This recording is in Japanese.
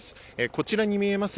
こちらに見えます